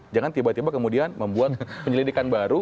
jangan tiba tiba kemudian membuat penyelidikan baru